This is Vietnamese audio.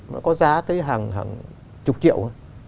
nó có giá tới hàng chục triệu